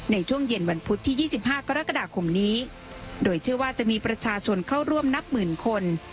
ในช่วงเย็นวันพุธที่๒๕กรกฎาคมนี้โดยเชื่อว่าจะมีประชาชนเข้าร่วมนับหมื่นคน